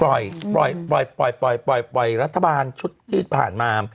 ปล่อยปล่อยปล่อยปล่อยปล่อยปล่อยปล่อยรัฐบาลชุดที่ผ่านมา